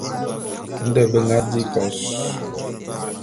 Nde be nga di kos.